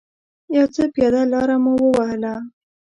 یو څه پیاده لاره مو و وهله.